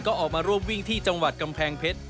ก็ออกมาร่วมวิ่งที่จังหวัดกำแพงเพชร